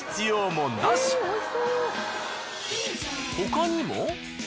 他にも。